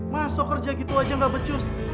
masa kerja gitu aja gak becus